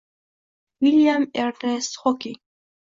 Vil`yam Ernest Hokking